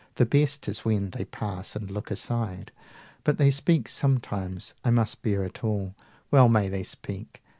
The best is when they pass and look aside; But they speak sometimes; I must bear it all. Well may they speak!